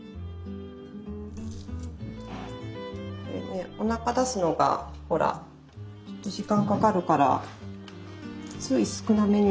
これねおなか出すのがほらちょっと時間かかるからつい少なめに。